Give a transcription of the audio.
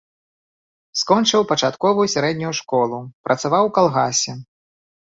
Скончыў пачатковую сярэднюю школу, працаваў у калгасе.